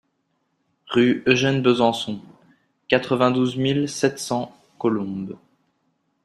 Rue Eugène Besançon, quatre-vingt-douze mille sept cents Colombes